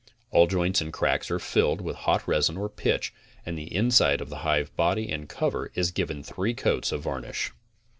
All joints and cracks are filled with hot rosin or pitch and the inside of the hivebody and cover is given three coats of varnish.